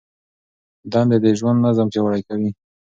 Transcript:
دندې د ژوند نظم پیاوړی کوي.